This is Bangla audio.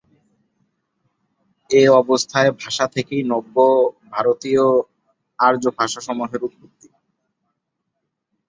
এ অবহট্ঠ ভাষা থেকেই নব্য ভারতীয় আর্যভাষাসমূহের উৎপত্তি।